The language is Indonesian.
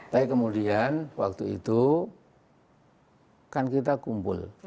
tapi kemudian waktu itu kan kita kumpul